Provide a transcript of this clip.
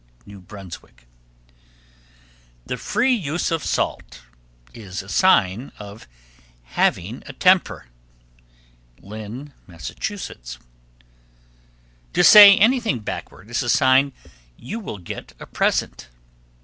New Brunswick. 1313. The free use of salt is a sign of having a temper. Lynn, Mass. 1314. To say anything backward is a sign you will get a present.